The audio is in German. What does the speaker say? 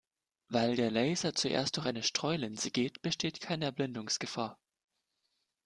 Weil der Laser zuerst durch eine Streulinse geht, besteht keine Erblindungsgefahr.